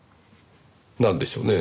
なんでしょうねぇ。